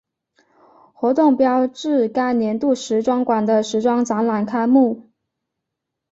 活动标志该年度时装馆的时装展览开幕。